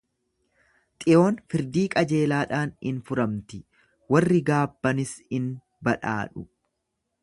Xiyoon firdii qajeelaadhaan in furamti, warri gaabbanis in badhaadhu.